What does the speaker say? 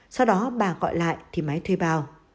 sau đó bà gọi lại thì máy thuê vào